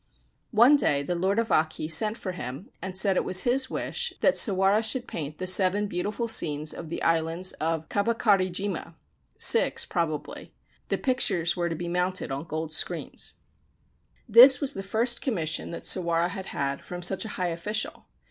One day the Lord of Aki sent for him and said it was his wish that Sawara should paint the seven beautiful scenes of the Islands of Kabakarijima (six, prob ably) ; the pictures were to be mounted on gold screens. 236 The Kakemono Ghost of Aki Province This was the first commission that Sawara had had from such a high official.